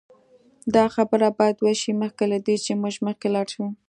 دا خبره باید وشي مخکې له دې چې موږ مخکې لاړ شو